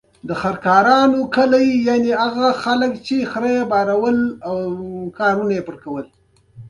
ازادي راډیو د روغتیا په اړه د ولسي جرګې نظرونه شریک کړي.